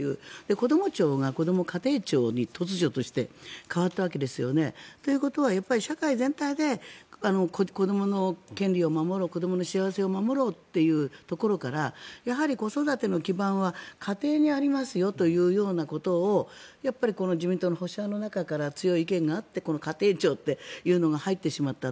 こども庁がこども家庭庁に突如として変わったわけですよね。ということは社会全体で子どもの権利を守ろう子どもの幸せを守ろうというところからやはり、子育ての基盤は家庭にありますよというようなことをやっぱり自民党の保守派の中から強い意見があって家庭庁というのが入ってしまった。